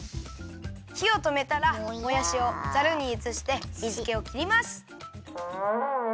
ひをとめたらもやしをザルにうつして水けをきります。